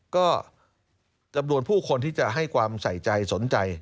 ก็จำนวนผู้คนที่จะให้ความใส่ใจสนใจ